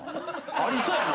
ありそうやな。